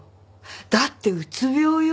だってうつ病よ。